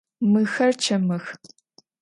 Мыхэр чэмых.